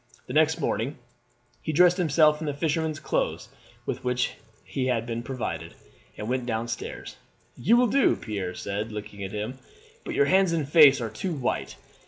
The next morning he dressed himself in the fisherman's clothes with which he had been provided, and went down stairs. "You will do," Pierre said, looking at him; "but your hands and face are too white.